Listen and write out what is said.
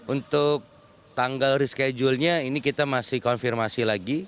untuk tanggal reschedulenya ini kita masih konfirmasi lagi